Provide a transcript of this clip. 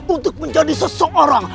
untuk menjadi seseorang